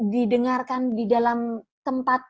didengarkan di dalam tempat